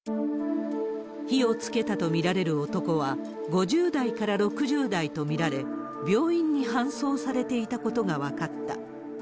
火をつけたと見られる男は、５０代から６０代と見られ、病院に搬送されていたことが分かった。